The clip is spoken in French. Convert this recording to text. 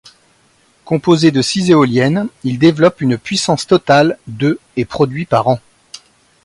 Composé de six éoliennes, il développe une puissance totale de et produit par an.